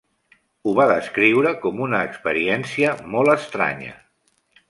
Ho va descriure com una experiència molt estranya.